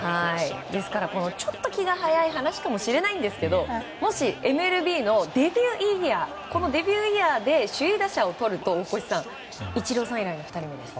ですから、ちょっと気が早い話かもしれないですがもしＭＬＢのデビューイヤーで首位打者をとるとイチローさん以来の２人目です。